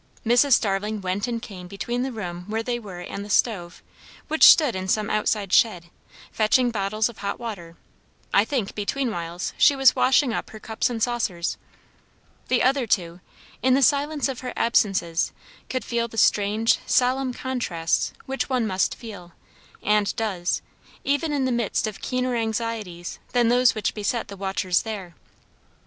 Mrs. Starling went and came between the room where they were and the stove, which stood in some outside shed, fetching bottles of hot water; I think, between whiles, she was washing up her cups and saucers; the other two, in the silence of her absences, could feel the strange, solemn contrasts which one must feel, and does, even in the midst of keener anxieties than those which beset the watchers there.